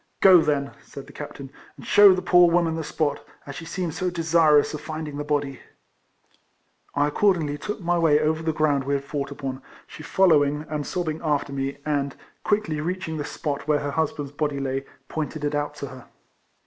" Go then," said the captain, " and shew the poor woman the spot, as she seems so desirous of finding the body." I accordingly took my way over the ground we had fought upon, she following and sob bing after me, and, quickly reaching the KIFLEMAN HARKIS. 45 Spot wtere lier husband's body lay, pointed it out to her.